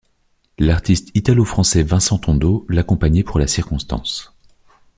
L'artiste italo-français Vincent Tondo l'accompagnait pour la circonstance.